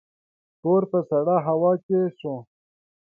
کور په سړه هوا کې شو.